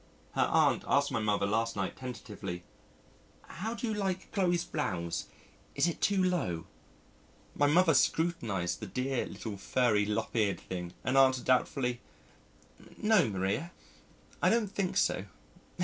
Her Aunt asked my Mother last night tentatively, 'How do you like Chloe's blouse? Is it too low?' My Mother scrutinised the dear little furry, lop eared thing and answered doubtfully, 'No, Maria, I don't think so.'"